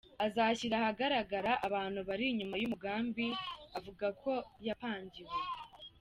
azashyira ahagaragara abantu bari inyuma yuyu mugambi avuga ko yapangiwe.